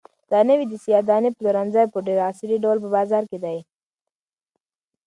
دا نوی د سیاه دانې پلورنځی په ډېر عصري ډول په بازار کې دی.